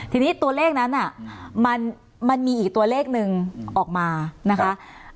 ทีนี้ตัวเลขนั้นมันมีอีกตัวเลขหนึ่งออกมานะคะ